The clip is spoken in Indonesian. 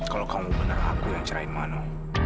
kalau kamu benar aku yang cerai mano